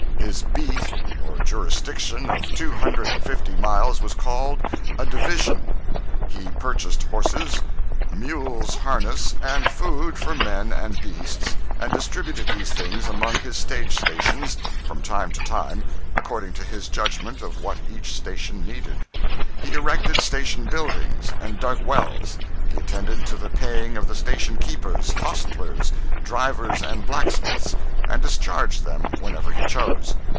His beat or jurisdiction of two hundred and fifty miles was called a "division." He purchased horses, mules harness, and food for men and beasts, and distributed these things among his stage stations, from time to time, according to his judgment of what each station needed. He erected station buildings and dug wells. He attended to the paying of the station keepers, hostlers, drivers and blacksmiths, and discharged them whenever he chose.